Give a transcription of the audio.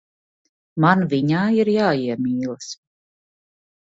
Man viņā ir jāiemīlas.